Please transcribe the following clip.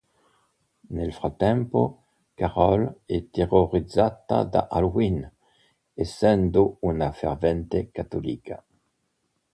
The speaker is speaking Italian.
Nel frattempo, Carol è terrorizzata da Halloween, essendo una fervente cattolica.